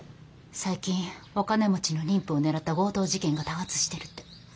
最近お金持ちの妊婦を狙った強盗事件が多発してるって。